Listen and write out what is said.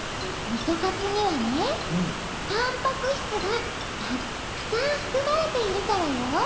みそカツにはねたんぱく質がたっくさんふくまれているからよ！